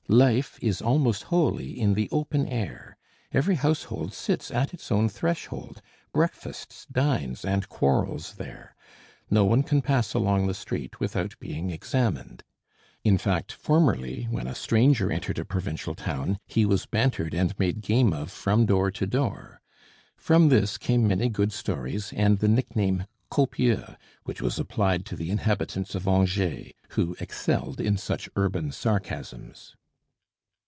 Life is almost wholly in the open air; every household sits at its own threshold, breakfasts, dines, and quarrels there. No one can pass along the street without being examined; in fact formerly, when a stranger entered a provincial town he was bantered and made game of from door to door. From this came many good stories, and the nickname copieux, which was applied to the inhabitants of Angers, who excelled in such urban sarcasms.